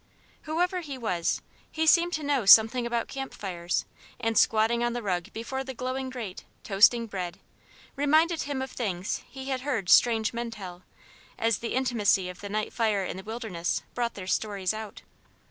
Whoever he was, he seemed to know something about camp fires; and squatting on the rug before the glowing grate, toasting bread, reminded him of things he had heard strange men tell, as the intimacy of the night fire in the wilderness brought their stories out.